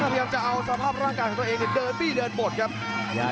อันวัดเบียดเขามาอันวัดโดนชวนแรกแล้ววางแค่ขวาแล้วเสียบด้วยเขาซ้าย